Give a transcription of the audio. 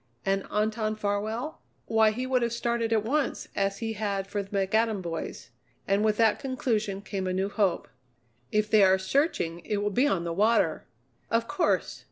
And Anton Farwell? Why, he would have started at once, as he had for the McAdam boys. And with that conclusion came a new hope: "If they are searching it will be on the water!" Of course.